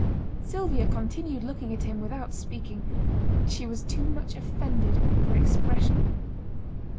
Sylvia continued looking at him without speaking: she was too much offended for expression.